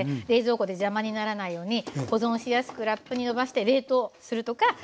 冷蔵庫で邪魔にならないように保存しやすくラップにのばして冷凍するとか。